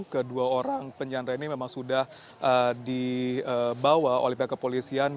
kedua orang penyandra ini memang sudah dibawa oleh pihak kepolisian